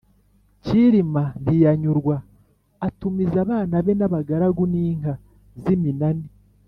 Cyilima ntiyanyurwa, atumiza abana be n’abagaragu n’inka z’iminani